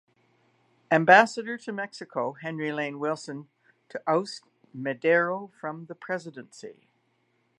Ambassador to Mexico Henry Lane Wilson to oust Madero from the presidency.